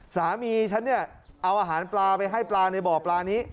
สามีฉันเนี่ยเอาอาหารปลาไปให้ปลาในบ่อปลานี้